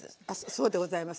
そうでございます。